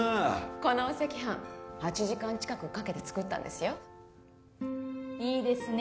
このお赤飯８時間近くかけて作ったんですよいいですね